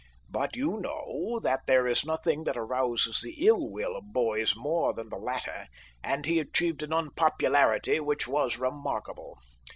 But you know that there is nothing that arouses the ill will of boys more than the latter, and he achieved an unpopularity which was remarkable.